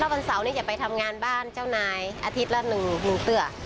วันเสาร์จะไปทำงานบ้านเจ้านายอาทิตย์ละ๑เสือ